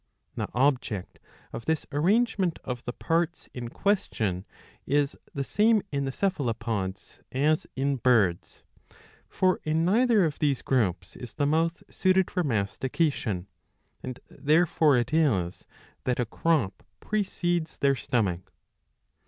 The object of this arrangenient of the parts in question is the same in the Cephalopods as in Birds. For in neither of these groups is the* mouth suited for mastication ; and therefore it is that a crop precedes their stomach.